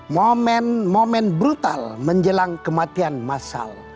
momen momen brutal menjelang kematian massal